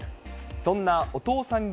そんなお父さん流